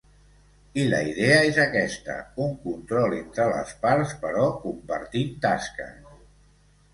I la idea és aquesta, un control entre les parts però compartint tasques.